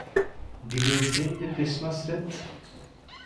Did you bring the Christmas wreath?